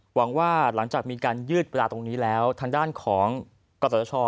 หวังว่าหลังจากมีการยืดเวลาตรงนี้แล้วทางด้านของกศช